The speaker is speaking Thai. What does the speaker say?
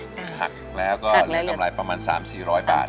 หักแล้วก็เหลือกำไรประมาณ๓๔๐๐บาท